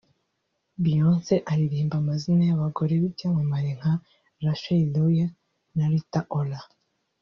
Beyonce aririmba amazina y’abagore b’ibyamamare nka Rachel Roy na Rita Ora